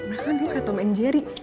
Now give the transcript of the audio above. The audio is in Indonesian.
mereka tuh kayak tom and jerry